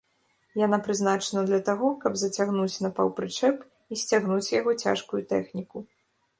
Яна прызначана для таго, каб зацягнуць на паўпрычэп і сцягнуць з яго цяжкую тэхніку.